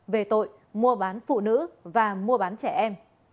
về tội mua bán phụ nữ và mua bán trẻ em